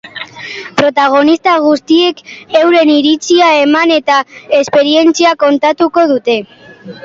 Protagonista guztiek euren iritzia eman eta esperientzia kontatuko dute.